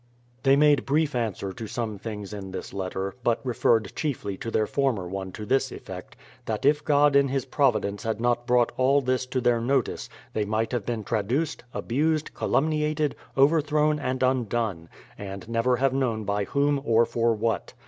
They made brief answer to some things in this letter, but referred chiefly to their former one to this effect : That if God in His providence had not brought all this to their notice, they might have been traduced, abused, calumniated, overthrown, and undone; and never have known by whom or for what.